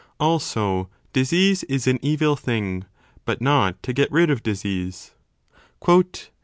Also, disease is an evil thing, but not to get rid of disease.